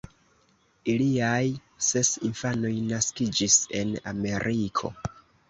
Iliaj ses infanoj naskiĝis en Ameriko.